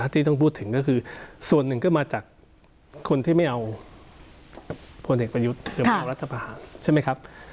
ที่ต้องพูดถึงก็คือส่วนหนึ่งก็มาจากคนที่ไม่เอาพลเอกประยุทธ์หรือไม่เอารัฐประหารใช่ไหมครับ